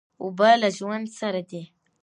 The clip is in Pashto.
اوبه له ژوند سره دي.